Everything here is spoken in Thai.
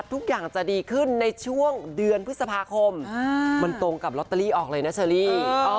ทุกอย่างจะดีขึ้นในช่วงเดือนพฤษภาคมมันตรงกับลอตเตอรี่ออกเลยนะเชอรี่